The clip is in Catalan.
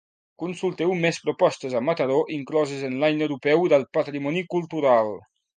Consulteu més propostes a Mataró incloses en l'Any Europeu del Patrimoni Cultural.